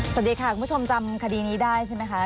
สวัสดีค่ะคุณผู้ชมจำคดีนี้ได้ใช่ไหมคะ